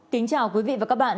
kính chào quý vị và các bạn